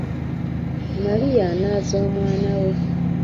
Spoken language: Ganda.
Maria anaaza omwana we.